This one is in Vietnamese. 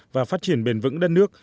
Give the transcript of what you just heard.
và phát triển bền vững đất nước